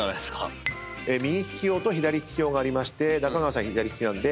右利き用と左利き用がありまして中川さん左利きなんで。